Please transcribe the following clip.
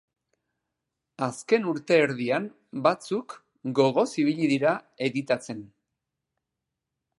Azken urte erdian batzuk gogoz ibili dira editatzen.